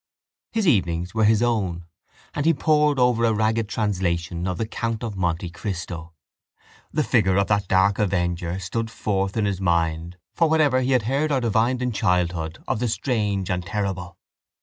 His evenings were his own; and he pored over a ragged translation of The Count of Monte Cristo. The figure of that dark avenger stood forth in his mind for whatever he had heard or divined in childhood of the strange and terrible.